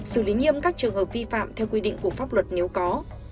xử lý nghiêm các trường hợp vi phạm theo quy định của pháp luật nếu có